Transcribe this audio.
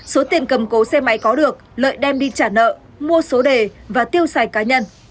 số tiền cầm cố xe máy có được lợi đem đi trả nợ mua số đề và tiêu xài cá nhân